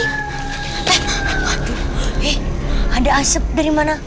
eh ada asap dari mana